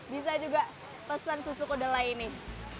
bisa juga pesan susu kudel lain nih